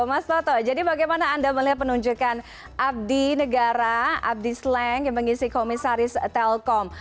mas toto jadi bagaimana anda melihat penunjukan abdi negara abdi sleng yang mengisi komisaris telkom